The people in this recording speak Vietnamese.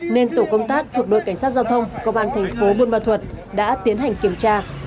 nên tổ công tác thuộc đội cảnh sát giao thông công an thành phố buôn ma thuật đã tiến hành kiểm tra